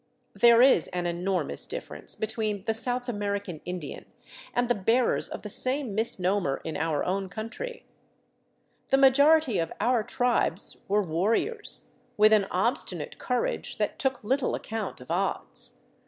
There is an enormous difference between the South Amer 431 VAGABONDING DOWN THE ANDES ican Indian and the bearers of the same misnomer in our own country. The majority of our tribes were warriors, with an obstinate courage that took Httle account of odds.